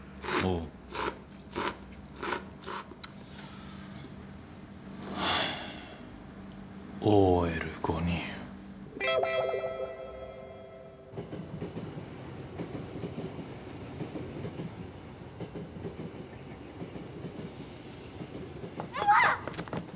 うわ。